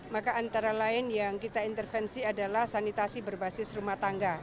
maka antara lain yang kita intervensi adalah sanitasi berbasis rumah tangga